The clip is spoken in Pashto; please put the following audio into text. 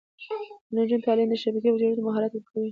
د نجونو تعلیم د شبکې جوړولو مهارت ورکوي.